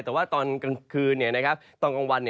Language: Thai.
แต่ว่าตอนกลางคืนตอนกลางวัน